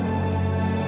gak ada apa apa